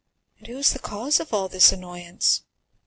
And who is the cause of all this annoyance?"